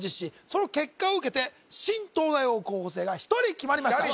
その結果を受けて新東大王候補生が１人決まりました